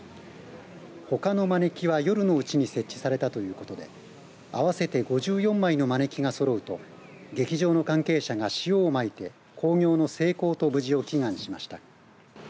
ほかのまねきは夜のうちに設置されたということで合わせて５４枚のまねきがそろうと劇場の関係者が塩をまいて興行の成功と無事を祈願しました。